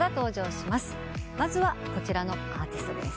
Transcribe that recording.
まずはこちらのアーティストです。